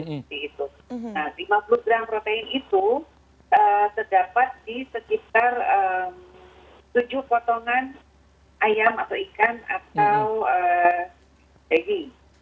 nah lima puluh gram protein itu terdapat di sekitar tujuh potongan ayam atau ikan atau daging